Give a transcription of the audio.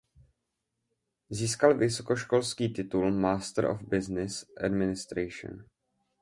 Získal vysokoškolský titul Master of Business Administration.